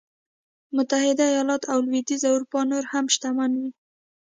متحده ایالت او لوېدیځه اروپا نور هم شتمن وي.